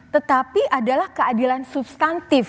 tetapi adalah keadilan substantif